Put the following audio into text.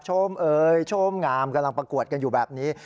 เอ่ยโชมงามกำลังประกวดกันอยู่แบบนี้